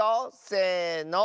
せの。